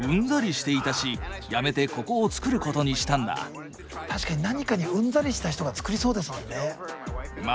確かに何かにうんざりした人が作りそうですもんね。